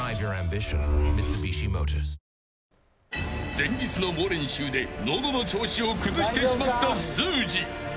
前日の猛練習で喉の調子を崩してしまったすーじー。